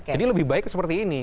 jadi lebih baik seperti ini